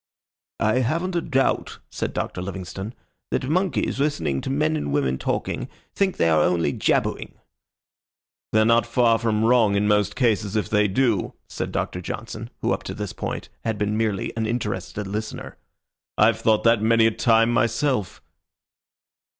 "I haven't a doubt," said Doctor Livingstone, "that monkeys listening to men and women talking think they are only jabbering." "They're not far from wrong in most cases if they do," said Doctor Johnson, who up to this time had been merely an interested listener. "I've thought that many a time myself."